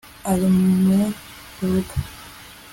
ari murugo